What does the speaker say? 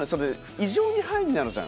異常にハイになるじゃん。